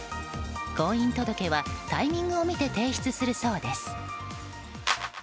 婚姻届はタイミングを見て提出するそうです。